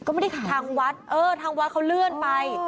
ก็ไม่ได้ทางวัดเขาเลื่อนไป